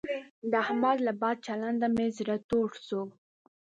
د احمد له بد چلنده مې زړه تور شو.